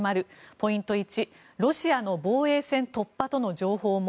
ポイント１ロシアの防衛線突破との情報も。